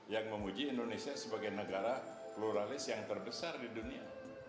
yang memuji indonesia sebagai negara pluralis yang terbesar di dunia